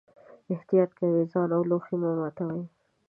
احتیاط کوئ، ځان او لوښي مه ماتوئ.